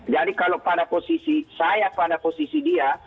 jadi kalau pada posisi saya pada posisi dia